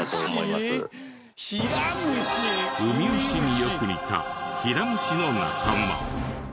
ウミウシによく似たヒラムシの仲間。